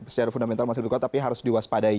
secara fundamental masih lebih kuat tapi harus diwaspadai